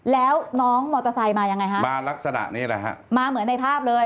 แล้วน้องมอเตอร์ไซค์มายังไงฮะมาลักษณะนี้แหละฮะมาเหมือนในภาพเลย